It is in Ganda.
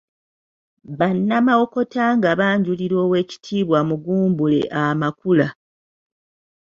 Bannamawokota nga banjulira Owekitiibwa Mugumbule amakula.